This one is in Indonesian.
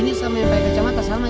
ini sama yang baik kecamata sama